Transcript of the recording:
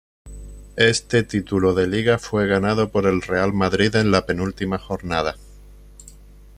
Este título de Liga fue ganado por el Real Madrid en la penúltima jornada.